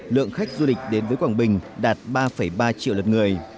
lượng khách du lịch đến với quảng bình đạt ba ba triệu lượt người